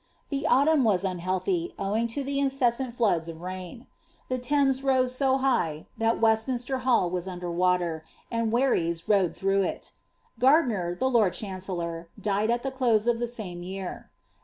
The autumn was unhealthy, owing to the incessant floods of rain. The Thames rose so high, that West minster Hall was under water, and wherries rowed through iL Gardiner, the lord chancellor, died at the close of the same year.'